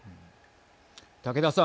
竹田さん。